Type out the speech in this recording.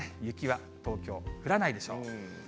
雪は東京、降らないでしょう。